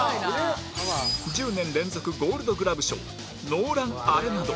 １０年連続ゴールドグラブ賞ノーラン・アレナド